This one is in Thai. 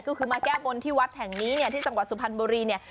ก็คือมาแก้บนที่วัดแห่งนี้เนี่ยที่จังหวัดสุพรรณบุรีเนี่ย